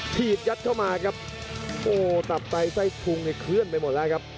ถีบยัดเข้ามาครับโอ้โหตับไตไส้พุงเนี่ยเคลื่อนไปหมดแล้วครับ